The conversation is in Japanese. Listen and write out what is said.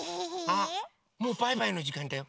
あっもうバイバイのじかんだよ！